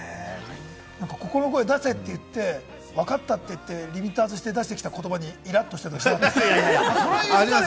心の声出せって言って、わかったって言って、リミッターを外して、出してきた言葉にイラっとしたりしたんですか？